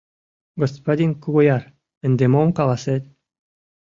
Господин Кугуяр, ынде мом каласет?